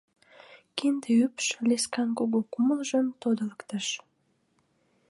Кинде ӱпш Лискан кугу кумылжым тодылыктыш.